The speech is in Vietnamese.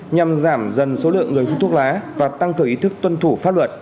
nhằm giảm dần số lượng người hút thuốc lá và tăng cường ý thức tuân thủ pháp luật